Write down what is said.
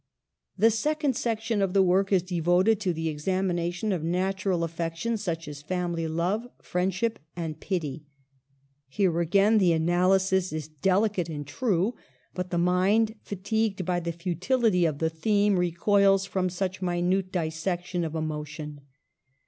The second section of the work is devoted to the examination of natural affections such as family love, friendship, and pity. Here, again, the analysis is delicate and true, but the mind, fatigued by the futility of the theme, recoils from such minute dissection of emotion.